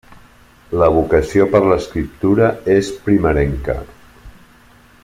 La vocació per l'escriptura és primerenca.